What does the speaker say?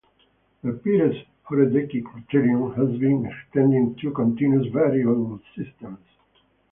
The Peres-Horodecki criterion has been extended to continuous variable systems.